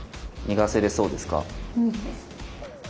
逃がせれそうですか？